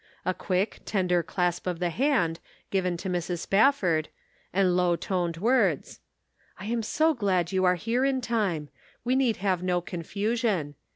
A quick, tender clasp of the hand, given to Mrs. Spafford, and low toned words :" I am so glad you are here in time ; we need have no confusion.